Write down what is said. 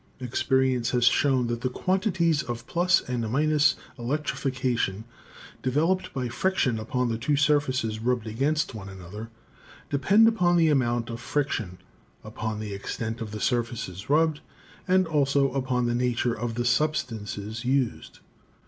Experience has shown that the quantities of f and — electrification developed by friction upon the two surfaces rubbed against one another depend on the amount of friction, upon the extent of the surfaces rubbed, and also upon the nature of the substances used.